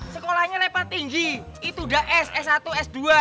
sekolahnya lepas tinggi itu udah s s satu s dua